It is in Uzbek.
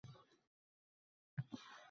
Titratamiz ko’ku zaminni.